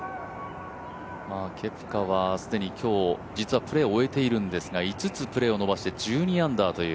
ケプカは既に今日、実はプレーを終えているんですが、５つプレーを伸ばして、１２アンダーという。